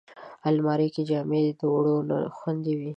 الماري کې جامې د دوړو نه خوندي وي